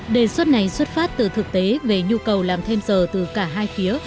đề xuất này xuất phát từ thực tế về nhu cầu làm thêm giờ từ cả hai phía